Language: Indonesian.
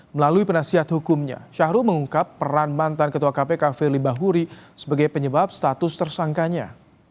melalui penasihat hukumnya syahrul mengungkap peran mantan ketua kpk firly bahuri sebagai penyebab status tersangkanya